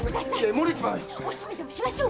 もれちまう！